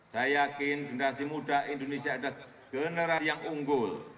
saya yakin generasi muda indonesia adalah generasi yang unggul